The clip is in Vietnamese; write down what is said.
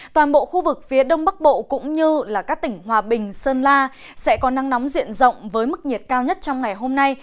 toàn bộ khu vực phía đông bắc bộ cũng như các tỉnh hòa bình sơn la sẽ có nắng nóng diện rộng với mức nhiệt cao nhất trong ngày hôm nay